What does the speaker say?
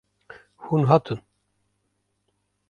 Hûn hatin.